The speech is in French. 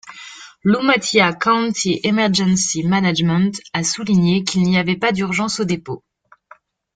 L'Umatilla County Emergency Management a souligné qu'il n'y avait pas d'urgence au dépôt.